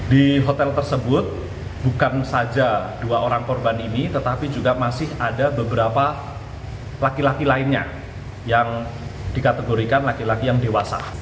di hotel tersebut bukan saja dua orang korban ini tetapi juga masih ada beberapa laki laki lainnya yang dikategorikan laki laki yang dewasa